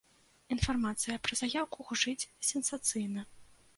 Інфармацыя пра заяўку гучыць сенсацыйна.